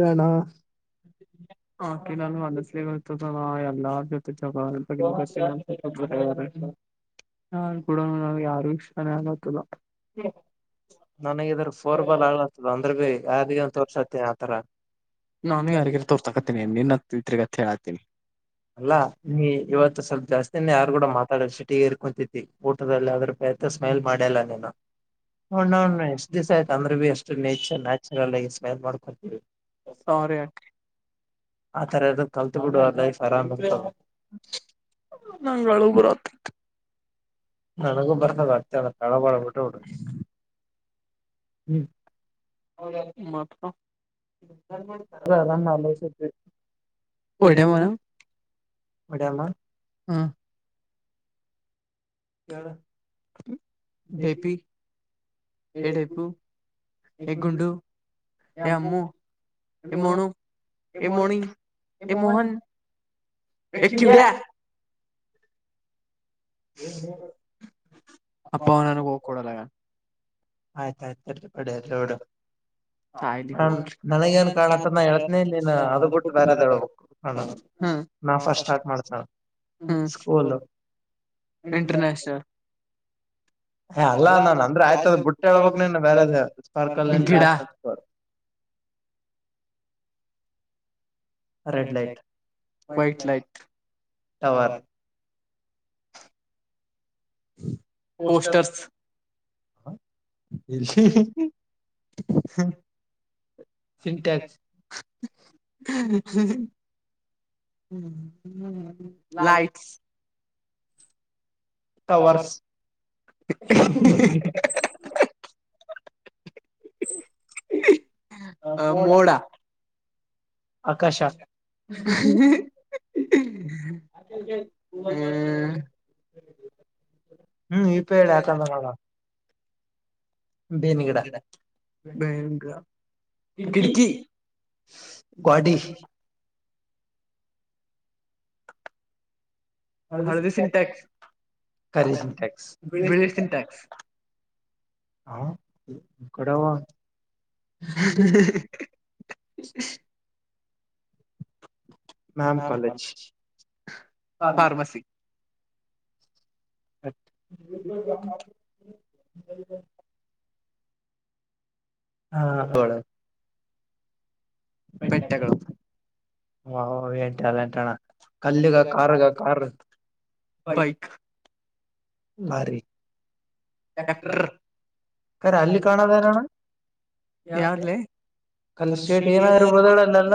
ಣ ನಾನು ಮನಸ್ಸ ಎಲ್ಲಾರ ಜೊತೆ ಹ [inaudible] ನಾ ಕೂಡ ನಮ್ ಯಾರು ಇಕ್ಷಾನೆ ಆಗತ್ತದ ನನಗ್ರ ಫೋರ್ ಬಾಲ್ ಆಗ್ಲ್ತದ ಅಂದ್ರೆ ಬಿೀ ಯಿ ಒ ತೋರ್ಸಾತ್ತೀನಿ ಆತರ ನಾನು ಯಾರಿಗಾರ ತೋರ್ತಾಕತೀನಿ ನಿನ್ ಹ ಇದ್ರಗತ್ತ ಹ ಹೇಳಾತೀನಿ ಅಲ್ಲಾ ನೀ ಇವತ್ತು ಸ್ವಲ್ಪ ಜಾಸ್ತಿಯಿನ ಯಾರು ಕೂಡ ಮಾತಾಡ ಸಿಟಿಗೆ ಇರ್ಕೊಂತಿದ ಊಟದಲ್ಲಿ ಆದ್ರತ ಸ್ಮೆಲ್ ಮಾಡ್ಯಲ್ಲ ಹಣ್ಣ್ಣ ಎಷ್ಟ್ ದಿವಸ ಆಯ್ತ ಅಂದ್ರೆ ಬಿ ಎಷ್ಟ ನೇಚರ್ ನ್ಚುರಲ್ ಆಗಿ ಸ್ಮೈಲ್ ಮಾಡ್ಕೊತೀವಿ ವಾಸ್ತವಾರಿ ಆತರದ ಕಲ್ತ್ ಬಿಡು ಅದ ಇಷ್ಟ ಆರಾಮ [inaudible] ನನಗ ಬಸತಲ್ಲ ಕಳಪಳ ಬಿಟ್ಟ ಬಿಡು ಹ್ಮ್ ಮತ್ರ ಒಟೇ ಮೋರ [inaudible] ಒಡಮ್ಮ ಹೇಳು ಬೇಬಿ ಎಡು ಆಯ್ತು ಎಗ್ ಗುಂಡು ಎ ಅಮ್ಮು ಎ ಮೋಣು ಎ ಮೋನಿ ಎ ಮೋಹನ್ ಎ ಚಿವಡ್ಯಾ ಅಪ್ಪಾ ಅವನಿಗೆ ಕೊಡಲ್ಲ ಆಗ ಆಯ್ತಾಯಯ್ತು ತರ್ ಪಡಲ್ಲೋಡು ಹ ನನಗೇಏನ್ ಕಾಣತ್ತ ನಾ ಹೇಳ್ತನಿ ನೀನ್ ಅದ ಬಿಟ್ಟು ಬೇಾರದ್ ಹೇಳ್ಬೇಕು ನಾಫಸ್ಟ್ ಸ್ಟಾರ್ಟ್ ಮಾಡ್ತಣ ಸ್ಕೂಲ್ ದೋ ಇಂಟರ್ನಷನಲ್ ಅಲ್ಲ ನ ಆಯ್ತ ಗಿಡ [inaudible] [unintelligible] ರೆಡ್ ಲೈಟ್ ಟವ ಪೋಸ್ಟರ್ಸ್ ಹ ಇಲ್ಲಿ ಸಿಂಟ್ಯಾಕ್ಸ್ [inaudible] ಲೈಟ್ಸ್ ಟವರ್ಸ್ ಅ ಮೋಡಾ [inaudible] ಹ್ಮ [inaudible] ಹ್ಮ [inaudible] ಹ್ಮ್ ಈಪ ಡ ಆಕ ನಡಾ [inaudible] ಬೇವಿನ ಗಿಡ [inaudible] ಕರಿ [inaudible] ಹಾ [inaudible] ಕಡಾವ [inaudible] ಮ್ಯಾಮ್ ಕಾಲೇಜ್ [inaudible] ಹ ಕ [inaudible] ಹ [unintelligible] ಹಾ ಅವಳು ಬೆಟ್ಟಗಳು ವಾಟ ಅಲ್ಲ ಎಂಟಣ್ಣ ಕಲ್ಲಿುಗ ಕಾರ್ಗ ಕಾರ್ ಬ [inaudible] ಹಾ ರಿ ಟ್ಯಾಕ್ಟ್ರ್ ಕರೆ ಅಲ್ಲಿ ಕಾಣದೇನಣ್ಣ. ಯಾರ್ದ್ ಲೆ ಕಲ್ಸೇಟ್ ಏನ ಇರ್ಬೋದೇಳ್ ಅಲ್ಲೆಲ್ಲ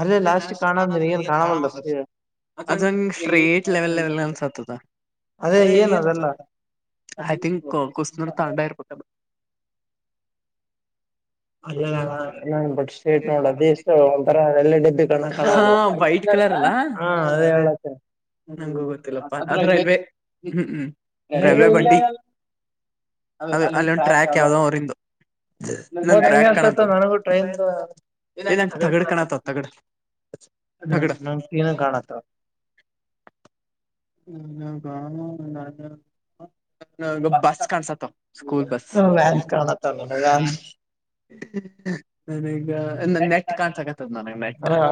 ಅಲ್ಲೇ ಲಾಸ್ಟ್ ಕಾಣದ್ರಿ ಏನ್ ಕಾಣವಲ್ದ್ ಅಷ್ಟೇ. ಅದಂಗ್ ಸ್ಟ್ರೇಟ್ ಲೆವೆಲ್ಲೆವೆಲ್ಲ ಅನ್ಸತದ. ಅದೇ ಏನ್ ಅದೆಲ್ಲ. ಐ ಥಿಂಕ್ ಕುಸ್ನೂರು ತಾಂಡ ಇರ್ಬೇಕದು. ಅಲ್ಲಣ ನನ್ ಬಟ್ ಸ್ಟ್ರೇಟ್ ನೋಡದು ಎಷ್ಟು ಒಂಥರ ಒಳ್ಳೆ ಡಬ್ಬಿ ಕಂಡಂಗ್ ಕಾಣದ. ಹಾ ಅದೇ ಹೇಳತ್ತಿನ್ ಹ್ಮ ಅದ್ರ [unintelligible] ಅದೆ ಅಲ್ಲೊಂದ್ ಟ್ಯಾಗ್ ತರ ಅದುನ್ ಇವಾಗ್ ಹೆಂಗ್ ಅನ್ಸತ್ತ ನನಗೂ ಟ್ರೈನ್ಗ [unintelligible] ಹ್ಮ ನಮ್ ಕೀ ನು ಕಾಣತ್ತ. [unintelligible] ಬಸ್ ಕಾಣ್ಸತ್ತ ಸ್ಕೂಲ್ ಬಸ್ ನನಗ ನೆಟ್ ಕಾಣಸಕತ್ತದ ನನಗ್ ನೆಟ್. ತ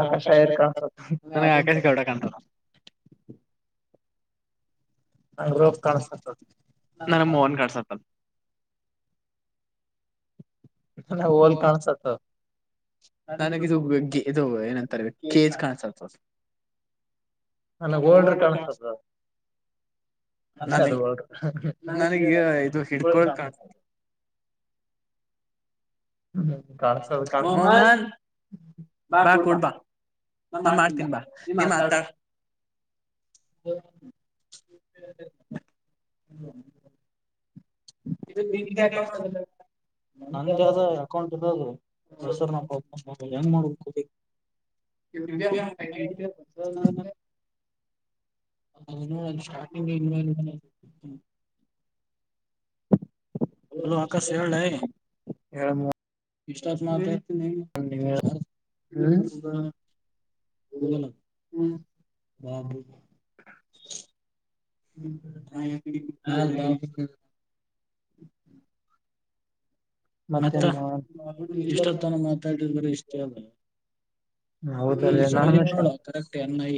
ಆಕಾಶ್ ಕೌಡ ಕಾಣ್ತದ. ನನಗ್ ಮೋಹನ್ ಕಾಣ್ಸತ್ತಾನ್ ನನಗ್ ಓವೆನ್ ಕಾಣ್ಸತ್ತ. ನನಗಿದು ಗೆ ಇದು ಏನಂತಾರೆ ಕೇಜ್ ಕಾಣಸತ್ತದ್. [unintelligible] ಕಾಣಸ್ತದ. ಅದ್ರೊಳಗ ನ ಗೇರ್ [unintelligible] ಕಾಣ್ಸತ್ತದ್. [inaudible] ನೌಹಾಲ್ ಬಾ ಕುತ ನಾ ಮಾಡ್ತೀನ್ ಬ ಇನ್ನ ಹತ್ತತ್ ಹ್ಮ [unintelligible] ಇದುನ್ ರಿಂಗ್ ಗ್ಯಾತದಲ್ ನಂಗೆ ಅದ ಅಕೌಂಟ್ ಇದಾಗಿ ಅದು ಸರ್ ಮತ್ತ್ ಹೆಂಗ ಮಾಡುದ್ ಕೊಡಿ [unintelligible] ಹ್ಮ್ ಅದ್ ಶಾಪಿಂಗ್ [unintelligible] ಹಲೋ ಆಕಾಶ್ ಹೇಳ್ ಲೆ ಇಷ್ಟೋತ್ ಮಾತ ಯ ಹ್ಮ ಹ್ಮ್ ಹ್ಮ್ ಬಾಬೂ [unintelligible] [inaudible] ಮತ್ತ ಇಷ್ಟತನ ಮಾತಾಡಿದ್ರ ಇಷ್ಟೇ ಅಲ್ಲ. ಲ್ಲಿ ಸ್ಪೆಲ್ಲಿಂಗ್ ನೋಡ correct N I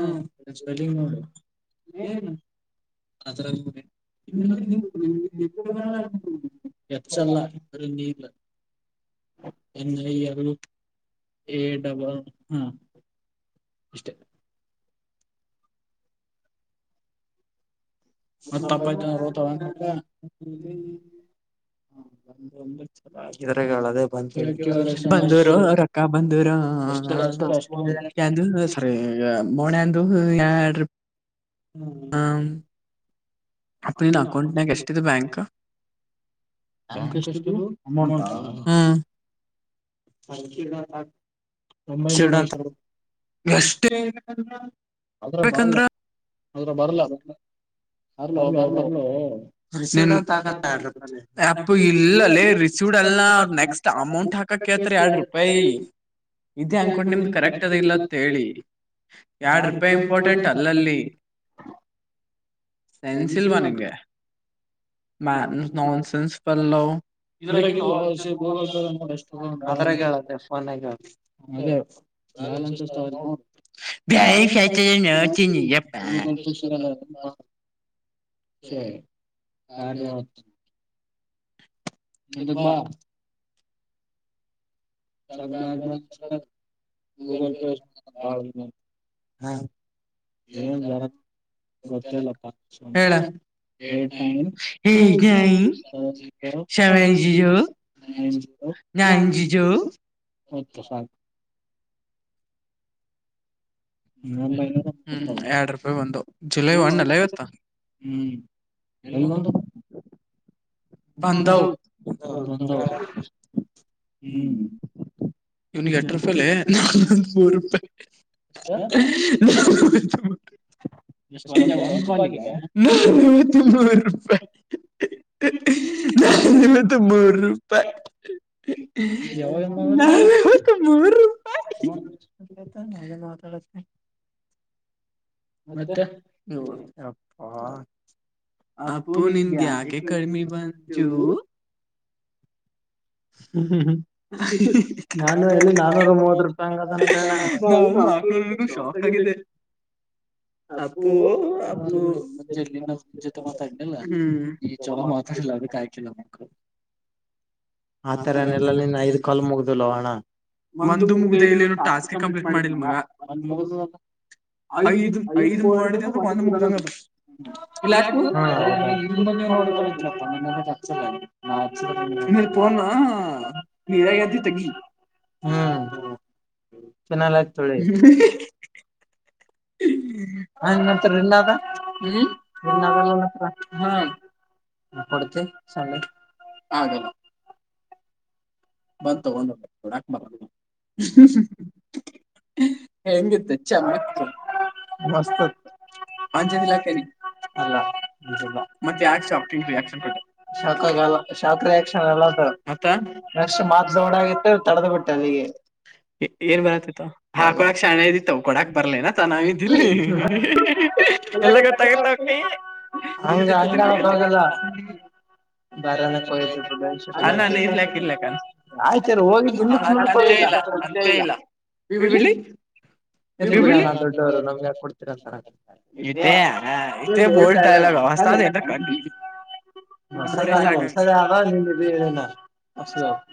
hmm spelling ನೋಡು ಏನು ಅದ್ರಲ್ [unintelligible] ಸೊಲ್ಲಾ ಪುರಿ ನೀ ದ್ರ. ಎನ್ ಐ ಎಬ್ಲೂ ಏ ಡಬಲ್ ಹ ಅಷ್ಟೇ [unintelligible] ಒಂದೊಂದೆ ಇದ್ರಾಗದ ಹಳೇದೆ ಬಂತು ಬಂದುರೋ ರಕ್ಕ ಬಂದೂರಾ [unintelligible] ಹ್ಮ ಹ್ಮ್ ನಿನ್ ಅಕೌಂಟ್ ನ್ಯಾಗ್ ಎಷ್ಟಿದೆ ಬ್ಯಾಂಕ್ ್ಯಾಂಕ್ ಎಷ್ಟು ಅಮೌಂಟಾ ಒಂಬೈನೂರ ಎಷ್ಟುಷ್ಟ ಹ ಹಬೇಕಂದ್ರ ಬರ್ಲ ಬ ಹರ್ಲೋ ಬರ್ಲೋ ಇ ಇಲ್ಲಲ್ಲೇ ರಿಸೀೂಡ್ ಎಲ್ಲ ಅವ ನೆಕ್ಸ್ಟ್ ಅಮೌಂಟ್ ಹಾಕಕ್ ಕೇತರಿ ಎರಡ್ ರೂಪಾಯಿ ಇದದೆ ಅನ್ಕೊಂಡು ನಿಮ್ದು ಕರೆಕ್ಟ್ ಅದ ಇಲ್ಲಂತ ಹೇಳಿ ಯಡ್ ತಪ್ಪ ಇಂಪಾರ್ಟೆಂಟ್ ಅಲ್ಲಲ್ಲಿ ಸೈನ್ಸ್ ಇಲ್ವಾ ನಿಂಗೆ ಮ ನಾನ್ ಸೆನ್ಸ್ಫಲ್ ಲ ಇದ್ರ ಅದ್ರಾಗ ಹೇಳತ್ತೆ ಮನ್ಯಾಗ ಬ ಬ ಚನ್ ಚಿನ್ನಪ್ಪ ಚ ಕಾರ್ಯತ್ತು ಹಿಂದೂಕ್ ಬಾ ಚಲ್ ಮಾರ ಮ ಚ ಗೂಗಲ್ ಪೇ ಗೊತ್ತಲ್ಲ ಪ ನನ್ ಸ ಜ ಕೆ ಸ ಹ್ಮ್ ಎರಡು ರೂಪಾಯಿ ಬಂದು ಜುಲೈ ಒನ್ ಅಲ್ಲೈವತ್ತಾ ಬಾಂಧವ ಹ್ಮ ಇವನ್ಿಗೆ ಎಟ ರೂಪಾಯಿಲ ನಾಲ್ ಮೂರು ರೂಪಾಯಿ ನೀ ನೂರು ರೂಪಾಯಿ ನ ನಿನ್ನತ್ತ ಮೂರು ರೂಪಾಯಿ ನ ಕಮೂರು ಮಾತಾಡ ಮತ್ತೆ ಹಪ್ಪಾ ಅಪ್ಪ ನಿನ್ ಯಾಗೆ ಕ ದಲ್ಲಿ ನಾನೂ ಮೂವ ಹಾಕ್ೋೂ ಶಾಕ್ ಆಗಿದೆ ಅಪ್ಪು ಅಪ್ಪುೆಲ್ಲಿನ ಜೊತೆ ಮಾತಾಡಲಿಲ್ಲ ಈ ಚೊಲ ಮಾತಾಡಿಲ ಕಲ್ಲ ಮ ಆತರನೆೆಲ್ಲಾ ನಿನ್ ಐದ್ ಕಾಲ್ ಮುಗ್ದಲ್ವ ಹಣ ಒಂದು ಮುಗ್ದ ಇಲ್ಲಿ ನು ಟಾಸ್ಕ್ ಕಂಪ್ಲೀಟ್ ಮಾಡಿಲ್ ಮಗ ಒ ಮುಗ ಐದು ಐದ್ ಮೂ ಅಂದ್ರ ಒಂದ್ ಮುಗ್ದಂಗ ಇ ಮಾಡಣ ನಾ ಪಣ ನೀರಾಗಂತ ತಗಿ ಚೆನ್ನಲ್ಲತ ನ್ ಮಾಡತಾರೆ ಇಲ್ಲ ಹ್ಮ್ ಹ್ಮ್ ಕೊಡ್ತೀನಿ ಸಣ್ಣೆ ಹಾಗದ ಮತ್ ತಗೊಂಡ ಹೆಂಗಿತ್ತು ಚೆನ್ನಾಗಿತ್ತು ಮಸ್ತ್ ಅಂಜೋದಿಲ್ಲ ಕಲಿ ಅ ಮತ್ತೆ ಯಾಕೆ ಸಾಂಟು ಯಾಕು ಯ ಮತ್ತ ಮ ಮಾರ್ ನೋಡಾಗಿತ್ತು ತಡೆದ ಬಿಟ್ಟೆ ಅಲ್ಲಿಗೆ ಏನ್ ಬರತ್ತತ್ತ ಹಾ ಕೊಡಕ್ ಶಣ ಇದ್ದಿತ್ತು ಕೊಡಕ್ ಬರ್ಲನ ತ ನಾವ ಇದ್ದಿಲ್ಲ ಎಲ್ಲ ಗೊತ್ತಗತ್ತ ಅವ ಕೀ ಅನ್ನಾನ ಇರ್ಲಕ್ ಇರ್ಲಕ್ ಅಂತೆ ಇಲ್ಲ ಅಂತೆ ಇಲ್ಲ ನೀ ಬಿಡ್ಲಿ [inaudible] ಇದೇ ಇದೆ ಬೋಲ್ಟಲ್ಲ ಹೊಸ್ತ ಅ ಎಂತ ಕಂಡಹಿಡ್ರಿ ಹೊಸಲ್ಲ ಒಸದ ಆಗ ನಿ ಬ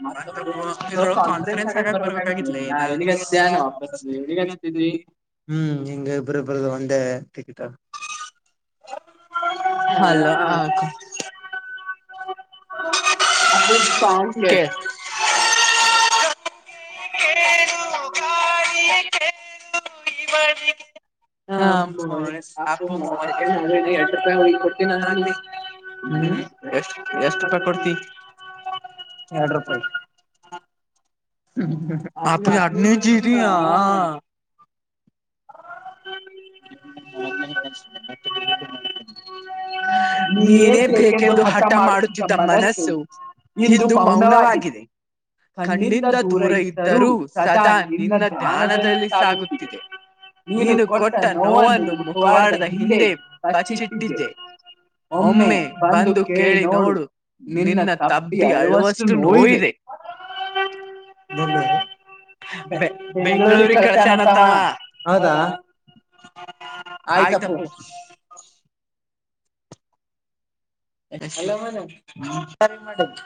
ಮತ್ತಳ ಕಾನ್ಫಿಡೆನ್ಸ್ ಆಗಕ್ಕೆ ಬರಬೇಕಾಗ ನಾ ಎನಗ್ಚ್ತಾನ ವಾಪಸ್ ಎನಗ್ ಹಚ್ತತಿ ಹ್ಮ್ ಹೆಂಗ್ ಇಬ್ಬರು ಇಬ್ಬರು ಒಂದೆ ಟಕ್ಕಿಟ. [unintelligible] ಹಲೋ [unintelligible] ಆ ಫುಲ್ ಸಾಗ್ [unintelligible] [inaudible] ನೀ ಎಷ್ಟ ಎಷ್ಟ ರೂಪಾಯಿ ಕೊಡ್ತಿ. ಎರಡು ರೂಪಾಯಿ. [inaudible] [inaudible] ನೀನೇ ಬೇಕೆಂದು ಹಠ ಮಾಡುತ್ತಿದ್ದ ಮನಸ್ಸು. ಇಂದು ಮೌನವಾಗಿದೆ. ಖಂಡ. ದೂರ ಇದ್ದರೂ ಸದಾ ನಿನ್ನ ಧ್ಯಾನದಲ್ಲಿ ಸಾಗುತ್ತಿದೆ. ನೀನು ಕೊಟ್ಟ ನೋವನ್ನು ಮುಖವಾಡದ ಹಿಂದೆ ಬಚ್ಚಿಟ್ಟಿದ್ದೆ. ಒಮ್ಮೆ ಬಂದು ಕೇಳಿ ನೋಡು. ನಿನ್ನ ತಬ್ಬಿ ಅಳುವಷ್ಟು ನೋವಿದೆ. [unintelligible] ಬೆ ಬೆಂಗ್ಗಳೂರಿಗೆ ಕಳಸೇನಂತ ಅವ. ಹೌದಾ ಆಯ್ತಪ್ಪ. [unintelligible]